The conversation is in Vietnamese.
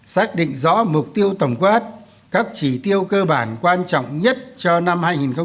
xác định rõ mục tiêu tổng quát các chỉ tiêu cơ bản quan trọng nhất cho năm hai nghìn hai mươi